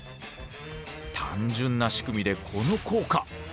単純な仕組みでこの効果。